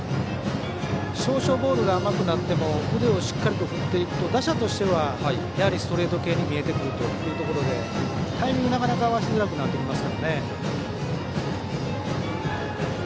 少々ボールが甘くなっても腕をしっかり振っていくと打者としては、ストレート系に見えてくるということでタイミングがなかなか合わせづらくなってきます。